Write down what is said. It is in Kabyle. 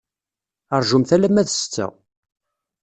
Rjumt alamma d ssetta.